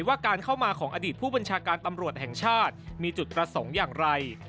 ว่าการเข้ามาของอดีตผู้บัญชาการตำรวจแห่งชาติมีจุดประสงค์อย่างไร